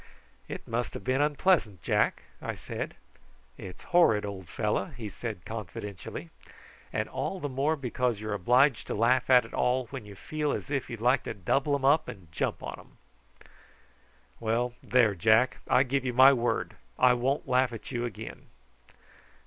"It must have been unpleasant, Jack," I said. "It's horrid, old fellow," he said confidentially; "and all the more because you are obliged to laugh at it all when you feel as if you'd like to double 'em up and jump on 'em." "Well, there, Jack; I give you my word I won't laugh at you again."